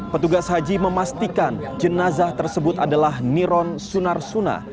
petugas haji memastikan jenazah tersebut adalah niron sunar sunah